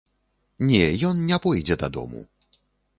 Не, ён не пойдзе дадому.